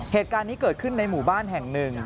เหตุการณ์นี้เกิดขึ้นในหมู่บ้านแห่งหนึ่ง